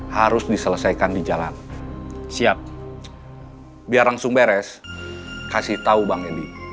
terus kita akan menyerang lawan ke rumahnya